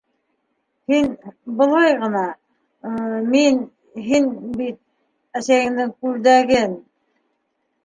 Һин... былай ғына... мин.. һин бит... әсәйендең күлдәген...